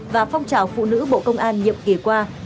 và phong trào phụ nữ bộ công an nhiệm kỳ qua